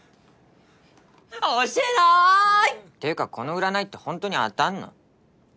教えなーい！っていうかこの占いって本当に当たんの？